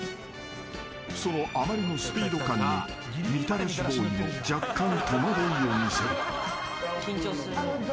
［そのあまりのスピード感にみたらしボーイも若干戸惑いを見せる］